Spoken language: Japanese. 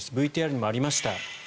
ＶＴＲにもありました。